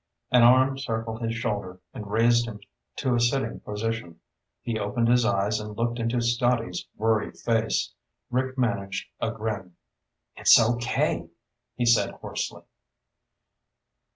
An arm circled his shoulder and raised him to a sitting position. He opened his eyes and looked into Scotty's worried face. Rick managed a grin. "It's okay," he said hoarsely.